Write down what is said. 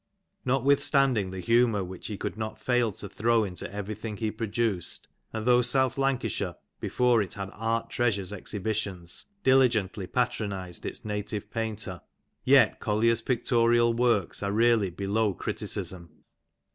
Notwith standing the humour which he could not fail to throw into every thing he produced, and though South Lancashire (before it had Art Treasures exhibitions) diligently patronised its native painter, yet Collier^s pictorial works are really below criticism.